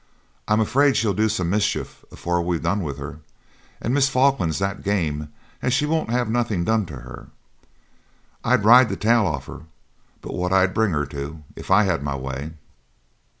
I'm afeard she'll do some mischief afore we've done with her; and Miss Falkland's that game as she won't have nothing done to her. I'd ride the tail off her but what I'd bring her to, if I had my way.'